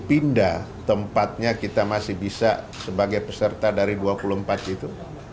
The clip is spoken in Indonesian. pindah tempatnya kita masih bisa sebagai peserta dari dua puluh empat itu